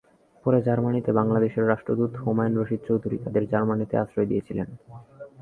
পরে জার্মানিতে বাংলাদেশের রাষ্ট্রদূত হুমায়ূন রশীদ চৌধুরী তাদের জার্মানিতে আশ্রয় দিয়েছিলেন।